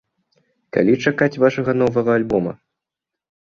Калі чакаць вашага новага альбома?